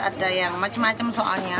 ada yang macem macem soalnya